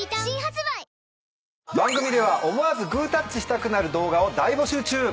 新発売番組では思わずグータッチしたくなる動画を大募集中。